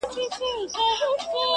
تـا كــړلــه خـــپـــره اشــــنـــــا,